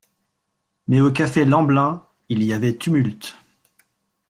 Mais au café Lemblin, il y avait tumulte.